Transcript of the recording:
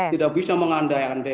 tidak bisa mengandai andai